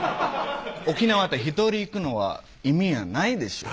沖縄って１人行くのは意味がないでしょ